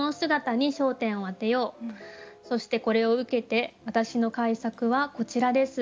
そしてこれを受けて私の改作はこちらです。